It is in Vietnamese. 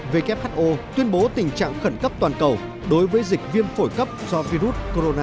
who tuyên bố tình trạng khẩn cấp toàn cầu đối với dịch viêm phổi cấp do virus corona